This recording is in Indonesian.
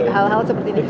hal hal seperti ini